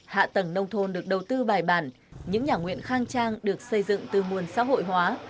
hạ tầng nông thôn được đầu tư bài bản những nhà nguyện khang trang được xây dựng từ nguồn xã hội hóa